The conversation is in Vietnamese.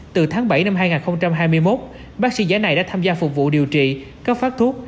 từ tháng bảy năm hai nghìn hai mươi một bác sĩ giá này đã tham gia phục vụ điều trị cấp phát thuốc